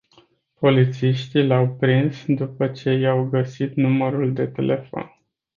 Polițiștii l-au prins după ce i-au găsit numărul de telefon.